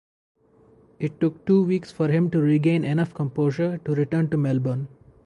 It took two weeks for him to regain enough composure to return to Melbourne.